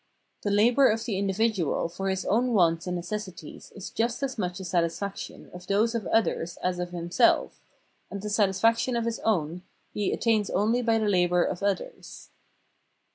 The labour of the indi vidual for his own wants and necessities is just as much a satisfaction of those of others as of himself, and the satisfaction of his own he attains only by the labour of others.